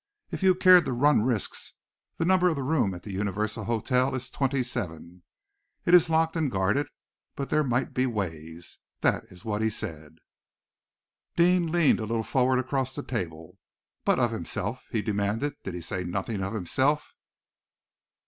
If you cared to run risks, the number of the room at the Universal Hotel is 27. It is locked and guarded, but there might be ways. That is what he said." Deane leaned a little forward across the table. "But of himself?" he demanded. "Did he say nothing of himself?"